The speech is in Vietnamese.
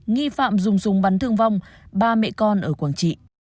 nghi phạm dùng súng bắn thương vong ba mẹ con ở quảng trị